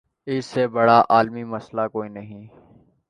اس سے بڑا عالمی مسئلہ کوئی نہیں۔